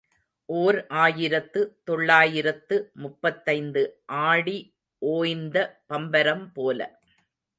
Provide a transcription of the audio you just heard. ஓர் ஆயிரத்து தொள்ளாயிரத்து முப்பத்தைந்து ஆடி ஓய்ந்த பம்பரம் போல.